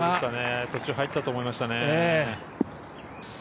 途中、入ったと思いましたね。